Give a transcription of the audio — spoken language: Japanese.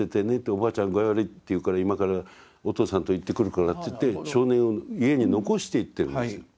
おばあちゃん具合悪いっていうから今からお父さんと行ってくるから」って言って少年を家に残していってるんですよ。